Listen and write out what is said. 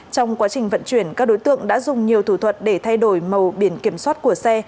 trong quá trình vận chuyển các đối tượng đã dùng nhiều thủ thuật để thay đổi màu biển kiểm soát của xe